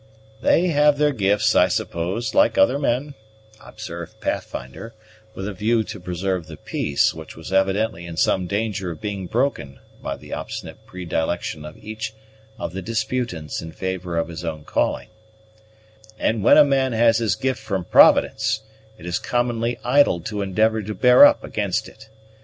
"They have their gifts, I suppose, like other men," observed Pathfinder, with a view to preserve the peace, which was evidently in some danger of being broken by the obstinate predilection of each of the disputants in favor of his own calling; "and when a man has his gift from Providence, it is commonly idle to endeavor to bear up against it.